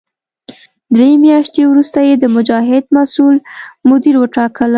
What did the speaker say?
درې میاشتې وروسته یې د مجاهد مسوول مدیر وټاکلم.